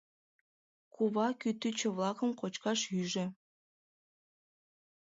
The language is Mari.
Кува кӱтӱчӧ-влакым кочкаш ӱжӧ.